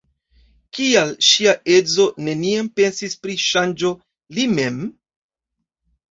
Kial ŝia edzo neniam pensis pri ŝanĝo, li mem?